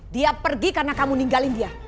dia pergi karena kamu meninggalin dia